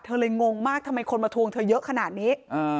เลยงงมากทำไมคนมาทวงเธอเยอะขนาดนี้